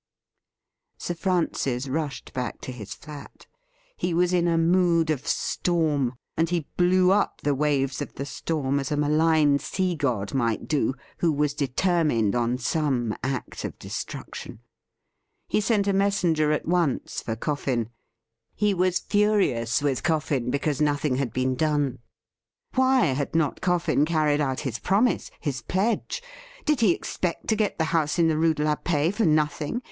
Sir Francis rushed back to his flat. He was in a mood of storm, and he blew up the waves of the storm as a malign sea god might do who was determined on some act of destruction. He sent a messenger at once for Coffin. He was furious with Coffin because nothing had been done. Why had not Coffin carried out his promise — his pledge ? Did he expect to get the house in the Rue de la Paix for nothing